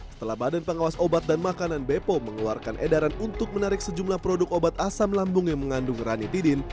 setelah badan pengawas obat dan makanan bepom mengeluarkan edaran untuk menarik sejumlah produk obat asam lambung yang mengandung ranitidin